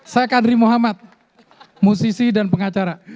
saya kadri muhammad musisi dan pengacara